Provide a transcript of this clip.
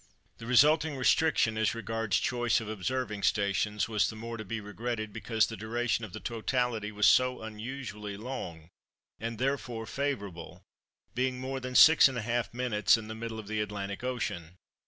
The resulting restriction as regards choice of observing stations was the more to be regretted because the duration of the totality was so unusually long, and therefore favourable, being more than 6½ minutes in the middle of the Atlantic Ocean.